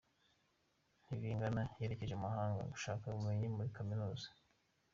Tibingana yerekeje Mumahanga gushaka Ubumenyi Muri Kaminuza